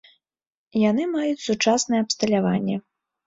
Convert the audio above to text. Яны маюць сучаснае абсталяванне.